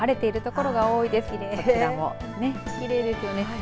こちらも、きれいですよね。